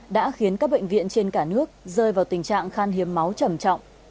đã khiến các bệnh viện trên cả nước rơi vào tình trạng khan hiếm máu trầm trọng